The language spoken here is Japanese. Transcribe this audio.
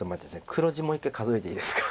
黒地もう一回数えていいですか。